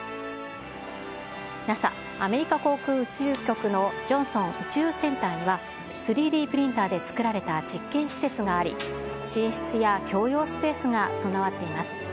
ＮＡＳＡ・アメリカ航空宇宙局のジョンソン宇宙センターには、３Ｄプリンターで作られた実験施設があり、寝室や共用スペースが備わっています。